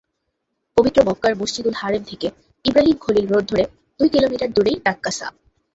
পবিত্র মক্কার মসজিদুল হারাম থেকে ইব্রাহিম খলিল রোড ধরে দুই কিলোমিটার দূরেই নাক্কাসা।